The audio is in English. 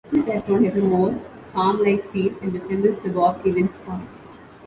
This restaurant has a more farm-like feel and resembles the Bob Evans farm.